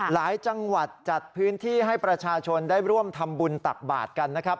หลายจังหวัดจัดพื้นที่ให้ประชาชนได้ร่วมทำบุญตักบาทกันนะครับ